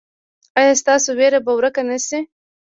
ایا ستاسو ویره به ورکه نه شي؟